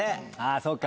そっか！